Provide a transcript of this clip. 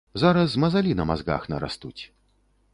Зараз мазалі на мазгах нарастуць.